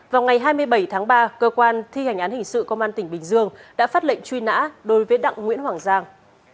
vào ngày hai mươi bảy tháng ba cơ quan thi hành án hình sự công an tỉnh bình dương đã phát lệnh truy nã đối với đặng nguyễn hoàng giang